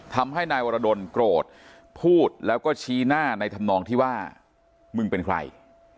ทำให้นายวรดลโกรธพูดแล้วก็ชี้หน้าในธรรมนองที่ว่ามึงเป็นใคร